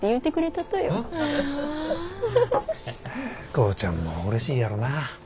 浩ちゃんもうれしいやろな。